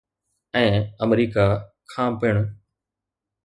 ۽ America کان پڻ.